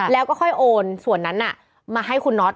แล้วก็ค่อยโอนส่วนนั้นมาให้คุณน็อต